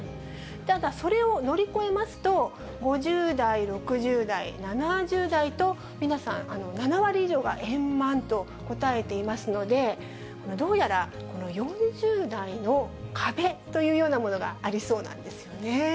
ただそれを乗り越えますと、５０代、６０代、７０代と、皆さん、７割以上が円満と答えていますので、どうやら、この４０代の壁というようなものがありそうなんですよね。